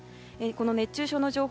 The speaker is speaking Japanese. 熱中症の情報